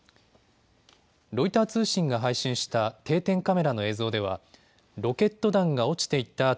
ロイター通信が配信した定点カメラの映像では、ロケット弾が落ちていった